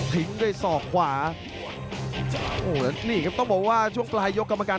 ทิ้งด้วยศอกขวาโอ้แล้วนี่ครับต้องบอกว่าช่วงปลายยกกรรมการ